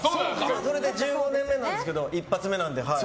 それで、１５年目なんですけど一発目なんですよ。